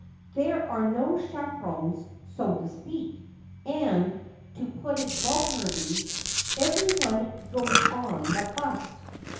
There are no chaperons (so to speak), and (to put it vulgarly) every one ' goes on the bust